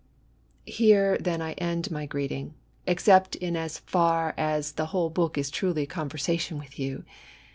DEDICATION. XV Here then I end my greeting, — except in as far as the whole book is truly conversation with you.